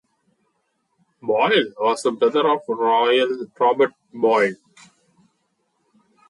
Boyle was a brother of Robert Boyle.